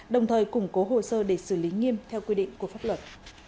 đồng thời củng cố hồ sơ để xử lý nghiêm theo quy định của pháp luật